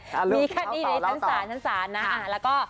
คดีอยู่ในทางสารทางสารและก็